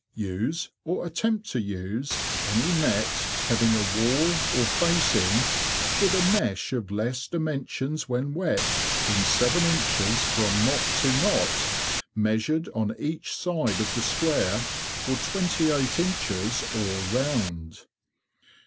3. Use or attempt to use any Net having a wall or facing, with a mesh of less dimensions when wet than seven inches from knot to knot, measured on each side of the square, or 28 inches all round.